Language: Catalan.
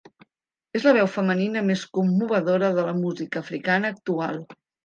És la veu femenina més commovedora de la música africana actual.